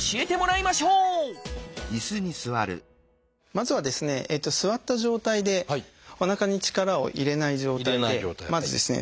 まずはですね座った状態でおなかに力を入れない状態でまずですね